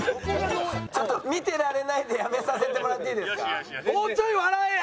ちょっと見てられないんでやめさせてもらっていいですか。